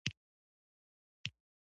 دا یوه عمومي قاعده ده پوه شوې!.